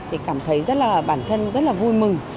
thì cảm thấy rất là bản thân rất là vui mừng